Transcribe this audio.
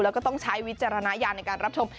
แล้วก็ต้องใช้วิจารณญาณในการรับชม